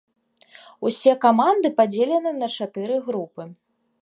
Усе каманды падзелены на чатыры групы.